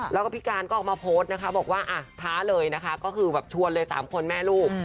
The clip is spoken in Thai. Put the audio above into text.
แล้วก็พี่การก็ออกมาโพสต์นะคะบอกว่าท้าเลยนะคะก็คือแบบชวนเลย๓คนแม่ลูก